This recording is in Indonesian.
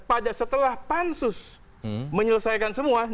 pada setelah pansus menyelesaikan semua